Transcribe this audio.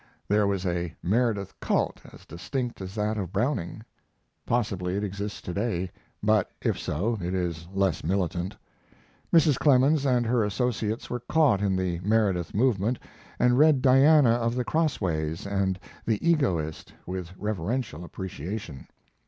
There was a Meredith cult as distinct as that of Browning. Possibly it exists to day, but, if so, it is less militant. Mrs. Clemens and her associates were caught in the Meredith movement and read Diana of the Crossways and the Egoist with reverential appreciation.